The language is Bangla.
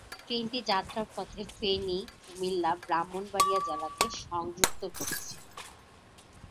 ট্রেনটি যাত্রাপথে ফেনী, কুমিল্লা, ব্রাহ্মণবাড়িয়া জেলাকে সংযুক্ত করেছে।